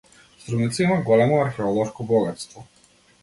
Струмица има големо археолошко богатство.